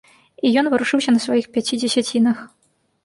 І ён варушыўся на сваіх пяці дзесяцінах.